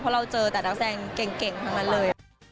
เพราะเราเจอแต่นักแสดงเก่งทั้งนั้นเลย